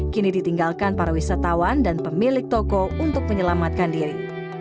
kini ditinggalkan para wisatawan dan pemilik toko untuk menyelamatkan diri